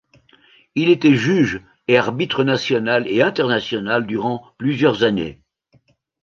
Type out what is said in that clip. Il était juge et arbitre national et international durant plusieurs années.